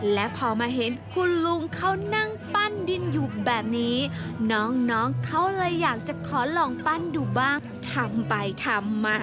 และพอมาเห็นคุณลุงเขานั่งปั้นดินอยู่แบบนี้น้องเขาเลยอยากจะขอลองปั้นดูบ้างทำไปทำมา